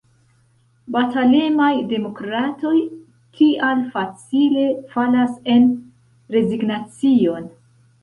Batalemaj demokratoj tial facile falas en rezignacion.